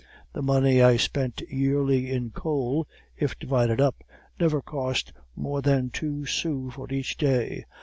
The money I spent yearly in coal, if divided up, never cost more than two sous for each day.